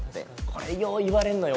これよう言われるのよ